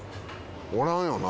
おらんよな？